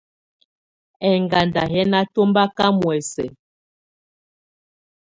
Ɛŋgándà yɛ́ ná tɔ̀mbaká muɛsɛ.